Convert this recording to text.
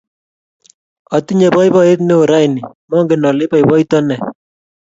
Atinye poipoiyet neo raini, mangen ale ipoipoiton ne